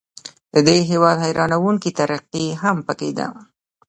د دې هیواد حیرانوونکې ترقي هم پکې ده.